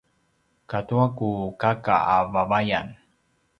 katua ku kaka a vavayan